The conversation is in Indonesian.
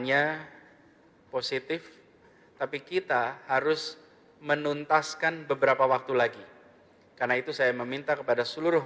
nya positif tapi kita harus menuntaskan beberapa waktu lagi karena itu saya meminta kepada seluruh